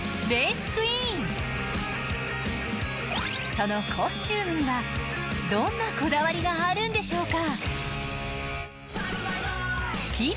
そのコスチュームにはどんなこだわりがあるんでしょうか？